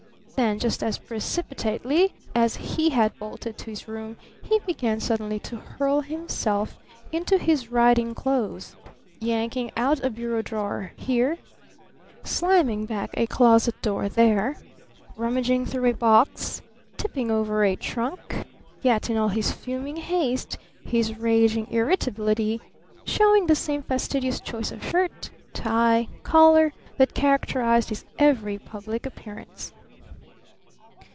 Then just as precipitately as he had bolted to his room he began suddenly to hurl himself into his riding clothes, yanking out a bureau drawer here, slamming back a closet door there, rummaging through a box, tipping over a trunk, yet in all his fuming haste, his raging irritability, showing the same fastidious choice of shirt, tie, collar, that characterized his every public appearance.